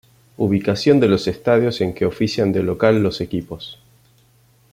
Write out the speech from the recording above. Ubicación de los estadios en que ofician de local los equipos